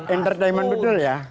entertainment bedul ya